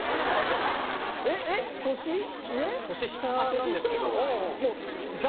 年下なんですけど。